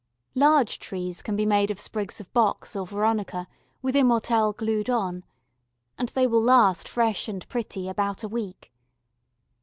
Large trees can be made of sprigs of box or veronica, with immortelles glued on, and they will last fresh and pretty about a week.